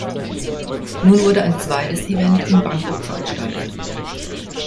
Nun wurde ein zweites Event in Bangkok veranstaltet.